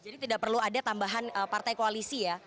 jadi tidak perlu ada tambahan partai koalisi ya